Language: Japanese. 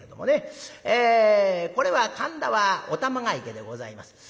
えこれは神田はお玉が池でございます。